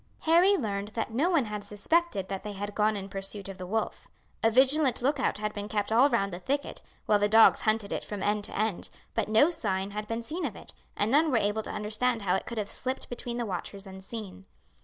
Harry learned that no one had suspected that they had gone in pursuit of the wolf. A vigilant look out had been kept all round the thicket, while the dogs hunted it from end to end, but no signs had been seen of it, and none were able to understand how it could have slipped between the watchers unseen.